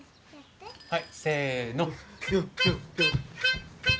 はいせの。